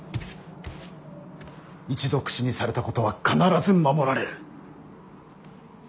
一度口にされたことは必ず守られる。